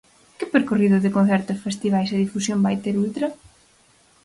Que percorrido de concertos festivais e difusión vai ter Ultra?